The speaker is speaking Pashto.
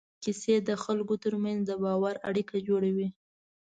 کیسې د خلکو تر منځ د باور اړیکه جوړوي.